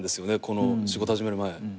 この仕事始める前。